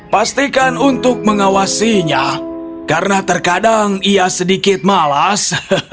pastikan untuk mengawasinya karena terkadang ia sedikit malas